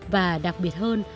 và đặc biệt hơn